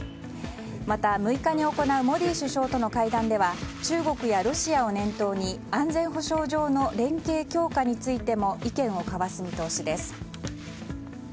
また、６日に行うモディ首相との会談では中国やロシアを念頭に安全保障上の連携強化についても意見を交わす見通しです。